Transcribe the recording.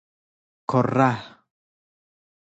کره